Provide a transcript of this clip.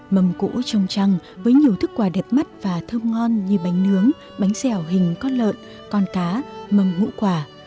mầm củ trong trăng với nhiều thức quà đẹp mắt và thơm ngon như bánh nướng bánh xèo hình con lợn con cá mầm ngũ quà